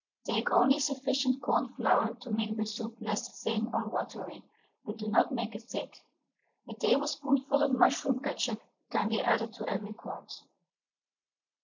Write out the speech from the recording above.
Take only sufficient corn flour to make the soup less thin or watery, but do not make it thick. A tablespoonful of mushroom ketchup can be added to every quart.